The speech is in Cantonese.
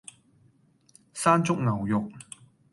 山竹牛肉